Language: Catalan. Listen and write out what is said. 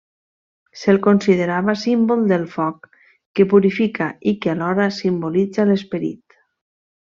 Se'l considerava símbol del foc que purifica i que alhora simbolitza l'esperit.